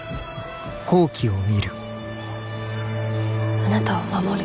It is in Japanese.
あなたを守る。